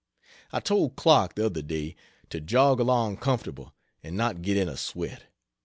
I told Clark the other day, to jog along comfortable and not get in a sweat.